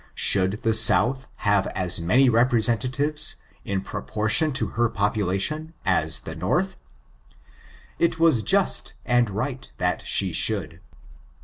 Should the South have as many representatives, in proportion to her population, as the North? It was just and right that she should.